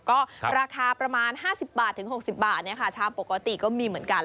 ก็ราคาประมาณ๕๐บาทถึง๖๐บาทชามปกติก็มีเหมือนกัน